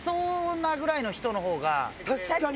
確かに！